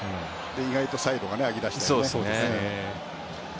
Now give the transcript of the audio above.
意外とサイドが上げだしたりね。